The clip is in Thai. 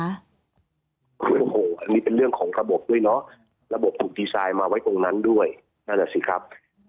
อันนี้เป็นเรื่องของระบบด้วยเนอะระบบถูกดีไซน์มาไว้ตรงนั้นด้วยนั่นแหละสิครับ